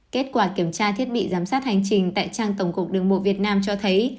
kết quả kiểm tra thiết bị giám sát hành trình tại trang tổng cục đường bộ việt nam cho thấy